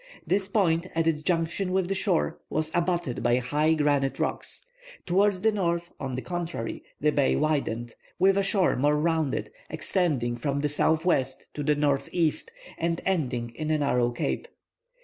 This point at its junction with the shore was abutted by high granite rocks. Towards the north, on the contrary, the bay widened, with a shore more rounded, extending from the southwest to the northeast, and ending in a narrow cape.